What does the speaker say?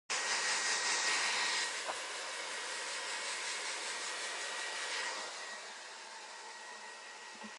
成也蕭何，敗也蕭何